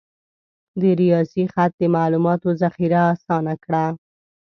د ریاضي خط د معلوماتو ذخیره آسانه کړه.